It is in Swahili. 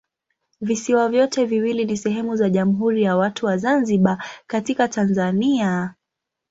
Visiwa vyote viwili ni sehemu za Jamhuri ya Watu wa Zanzibar katika Tanzania.